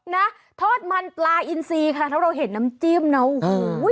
นะทอดมันปลาอินซีค่ะถ้าเราเห็นน้ำจิ้มเนอะโอ้โห